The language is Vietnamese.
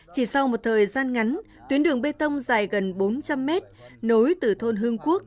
chỉ sau một thời gian ngắn tuyến đường bê tông dài gần bốn trăm linh mét nối từ thôn hưng quốc